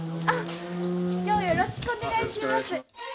きょうよろしくお願いします。